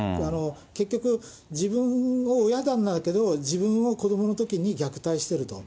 結局、自分の親なんだけど、自分を子どものときに虐待してると。